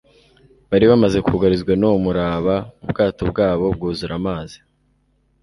Bari bamaze kugarizwa n'uwo muraba, ubwato bwabo bwuzura amazi,